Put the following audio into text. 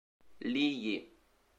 Li Yi